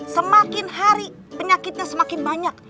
semakin hari penyakitnya semakin banyak